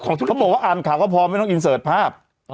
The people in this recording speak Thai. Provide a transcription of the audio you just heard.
เขาบอกว่าอ่านข่าวก็พอไม่ต้องอินเสิร์ตภาพ